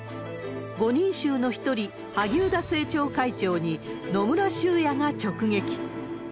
５人衆の一人、萩生田政調会長に、野村修也が直撃。